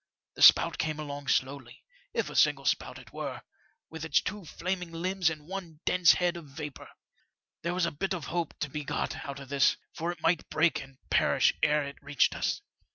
The spout came along slowly — ^if a single spout it were — with its two flaming limbs and one dense head of vapour. There was a bit of hope to be got out of this, for it might break and perish ere it reached us.